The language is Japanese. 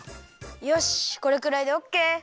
よしこれくらいでオッケー。